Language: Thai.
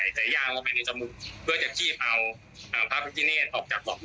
เออตามคำที่เขาพูดกันว่าผมพามาพูดเนี่ยครับ